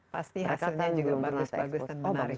pasti hasilnya juga bagus bagus dan menarik